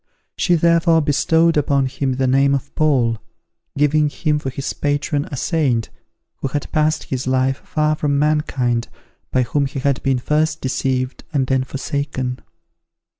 She therefore bestowed upon him the name of Paul, giving him for his patron a saint who had passed his life far from mankind by whom he had been first deceived and then forsaken.